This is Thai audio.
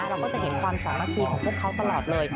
เราก็จะเห็นความสามัคคีของพวกเขาตลอดเลย